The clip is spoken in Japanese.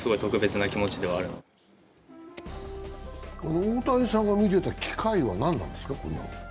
大谷さんが見てた機械は何なんですか？